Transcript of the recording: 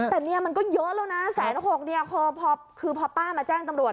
แต่นี่มันก็เยอะแล้วนะ๑๖๐๐๐๐บาทคือพอป้ามาแจ้งตำรวจ